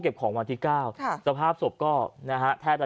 ชาวบ้านญาติโปรดแค้นไปดูภาพบรรยากาศขณะ